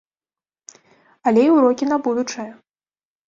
Але і ўрокі на будучае.